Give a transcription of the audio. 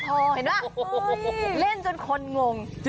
พอเห็นป่ะเล่นจนคนงง